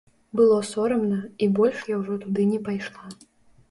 Было сорамна, і больш я ўжо туды не пайшла.